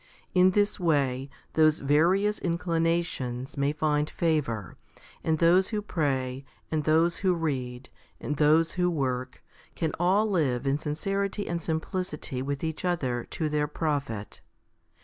In this way, those various inclinations may find favour, and those who pray, and those who read, and those who work, can all live in sincerity and simplicity with each other to their profit.